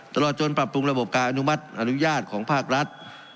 ตลอดจนปรับปรุงระบบการอนุมัติอนุญาตของภาครัฐ